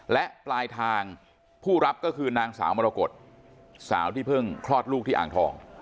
และปลายทางผู้รับก็คือนางสาวมรกฏสาวที่เพิ่งคลอดลูกที่อ่างทอง